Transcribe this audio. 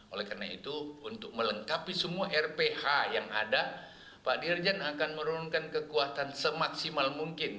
oleh karena itu untuk melengkapi semua rph yang ada pak dirjen akan menurunkan kekuatan semaksimal mungkin